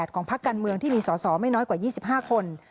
ของพักการเมืองที่มีสอสอไม่น้อยกว่า๒๕คน